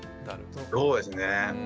そうですね。